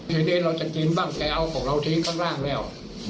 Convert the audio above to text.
เดือนนี้เราจะกินบ้างแกเอาของเราทิ้งข้างล่างแล้ว